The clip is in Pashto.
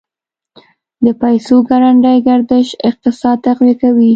د پیسو ګړندی گردش اقتصاد تقویه کوي.